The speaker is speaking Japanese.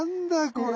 これ。